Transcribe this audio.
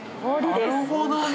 なるほどね！